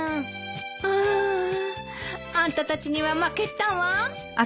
あああんたたちには負けたわ。